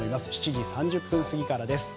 ７時３０分過ぎからです。